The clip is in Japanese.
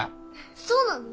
そうなの？